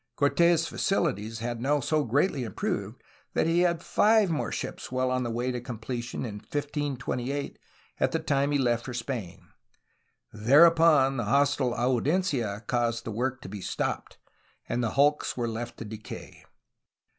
Cortes' facilities had now so greatly improved that he had five more ships well on the way to completion in 1528 at the time he left for Spain. Thereupon the hostile audiencia caused the work to be stopped, and the hulks were left to decay.